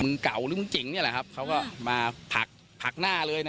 มึงเก่ามึงจิ๋งนี่แหละครับเขาก็มาผักหน้าเลย